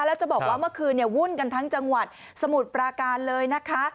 แล้วจะบอกว่าเมื่อคืนวุ่นกันทั้งจังหวัดสมุทรปราการเลยนะคะ